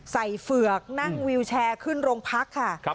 เฝือกนั่งวิวแชร์ขึ้นโรงพักค่ะ